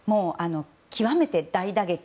極めて大打撃。